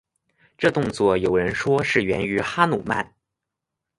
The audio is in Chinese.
这动作有人说是源于哈奴曼。